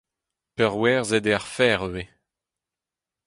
Peurwerzhet eo ar fer ivez.